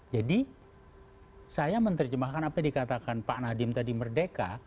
jadi saya menerjemahkan apa yang dikatakan pak nadiem tadi merdeka